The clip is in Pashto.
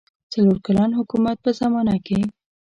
څلور کلن حکومت په زمانه کې.